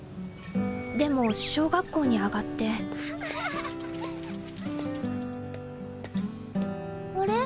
でも小学校にあがってあれ？